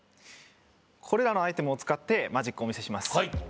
これらのアイテムを使ってマジックをお見せします。